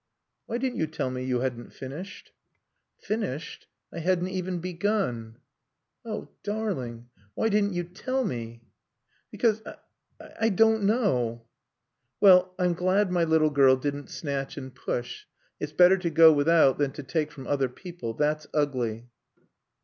"Why didn't you tell me you hadn't finished?" "Finished? I hadn't even begun." "Oh h, darling, why didn't you tell me?" "Because I I don't know." "Well, I'm glad my little girl didn't snatch and push. It's better to go without than to take from other people. That's ugly."